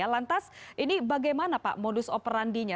lantas ini bagaimana pak modus operandinya